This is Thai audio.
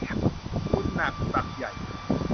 บุญหนักศักดิ์ใหญ่